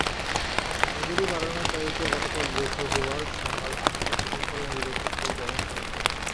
মজুরি বাড়ানোর দাবিতে গতকাল বৃহস্পতিবার সকাল আটটা থেকে কর্মবিরতি শুরু করেন শ্রমিকেরা।